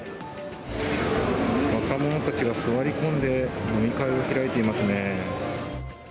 若者たちが座り込んで、飲み会を開いていますね。